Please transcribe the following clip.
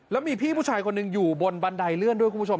แล้วมีพี่ผู้ชายคนหนึ่งอยู่บนบันไดเลื่อนด้วยคุณผู้ชม